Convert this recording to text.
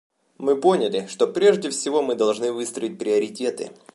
Мы поняли, что прежде всего мы должны выстроить приоритеты.